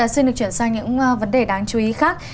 xin được chuyển sang những vấn đề đáng chú ý khác